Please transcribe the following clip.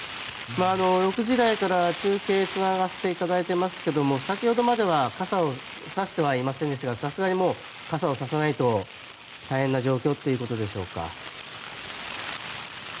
６時台から中継をつながせていただいていますが先ほどまでは傘をさしてはいませんでしたがさすがに傘をささないともう大変な状況でしょうか。